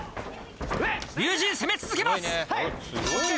龍心攻め続けます！